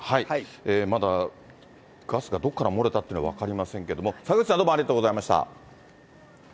まだガスがどこから漏れたっていうのは分かりませんけれども、坂口さん、どうもありがとうございました。